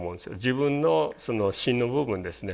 自分のしんの部分ですね。